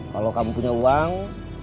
kalau kamu punya uang